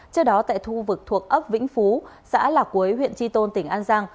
trước đó tại khu vực thuộc ấp vĩnh phú xã lạc quế huyện tri tôn tỉnh an giang